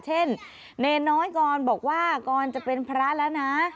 เนรน้อยกรบอกว่ากรจะเป็นพระแล้วนะ